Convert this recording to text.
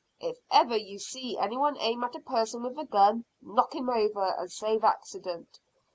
If ever you see any one aim at a person with a gun, knock him over, and save accident.